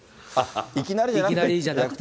いきなりじゃなくて。